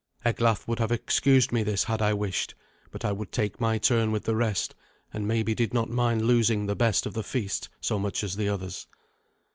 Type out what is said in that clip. Eglaf would have excused me this had I wished; but I would take my turn with the rest, and maybe did not mind losing the best of the feast so much as the others.